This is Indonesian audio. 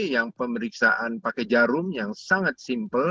yang pemeriksaan pakai jarum yang sangat simpel